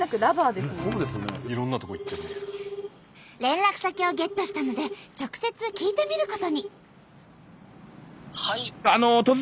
連絡先をゲットしたので直接聞いてみることに。